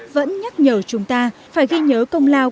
vẫn nhắc nhở chúng ta phải ghi nhớ công lao